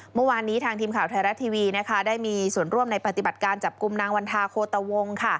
เมื่อวานนี้ทางทีมข่าวไทยรัฐทีวีได้มีส่วนร่วมในปฏิบัติการจับกลุ่มนางวันทาโคตวงค่ะ